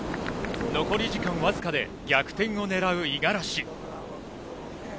残り時間僅かで逆転をねらう五十嵐。